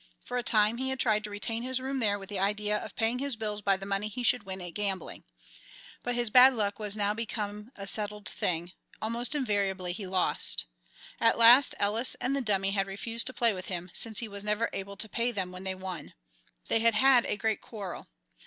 For a time he had tried to retain his room there with the idea of paying his bills by the money he should win at gambling. But his bad luck was now become a settled thing almost invariably he lost. At last Ellis and the Dummy had refused to play with him, since he was never able to pay them when they won. They had had a great quarrel.